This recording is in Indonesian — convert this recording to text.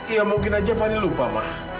ya mungkin aja fadil lupa ma